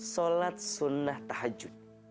sholat sunnah tahajud